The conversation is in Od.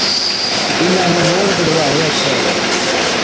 بِينڏا نُون موڙ ٻجھوڙا ھُوي ڇَي